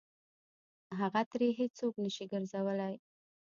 هغه ترې هېڅ څوک نه شي ګرځولی.